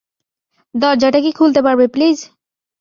দরজাটা কি খুলতে পারবে প্লিজ?